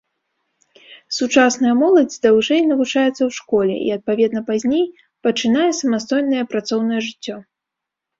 Сучасная моладзь даўжэй навучаецца ў школе і, адпаведна, пазней пачынае самастойнае працоўнае жыццё.